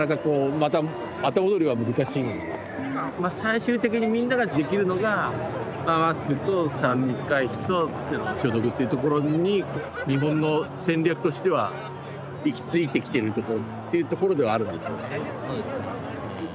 まあ最終的にみんなができるのがマスクと３密回避と手の消毒っていうところに日本の戦略としては行き着いてきてるとこっていうところではあるんですよね。